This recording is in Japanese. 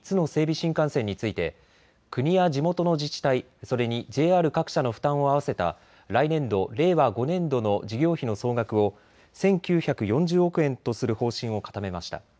新幹線について国や地元の自治体、それにＪＲ各社の負担を合わせた来年度・令和５年度の事業費の総額を１９４０億円とする方針を固めました。